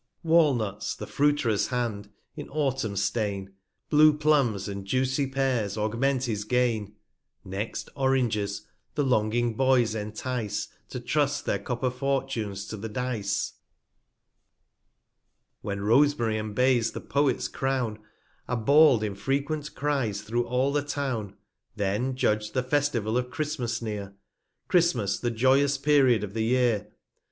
310 Wallnuts the Fruiterers Hand, in Autumn, stain, Blue Plumbs, and juicy Pears augment his Gain ; Next Oranges the longing Boys entice, To trust their Copper Fortunes to the Dice. When Rosemary, and Bays, the Poet's Crown, 315 Are bawl'd, in frequent Cries, through all the Town, Then judge the Festival of Christmas near, Christmas, the joyous Period of the Year.